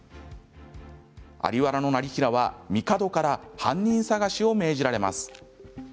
在原業平は、みかどから犯人捜しを命じられます。